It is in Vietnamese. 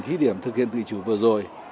thứ điểm thực hiện tự chủ vừa rồi